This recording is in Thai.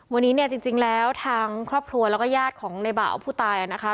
วันนี้เนี่ยจริงแล้วทางครอบครัวแล้วก็ญาติของในบ่าวผู้ตายนะคะ